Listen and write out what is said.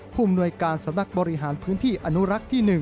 ภูมิหน่วยการสำนักบริหารพื้นที่อนุรักษ์ที่๑